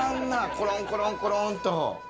コロンコロンコロンと。